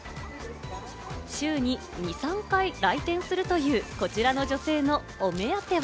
雌雄に２３回来店するというこちらの女性のお目当ては。